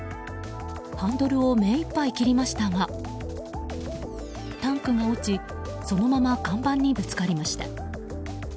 ハンドルを目いっぱい切りましたがタンクが落ち、そのまま看板にぶつかりました。